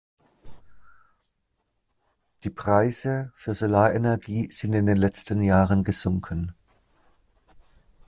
Die Preise für Solarenergie sind in den letzten Jahren gesunken.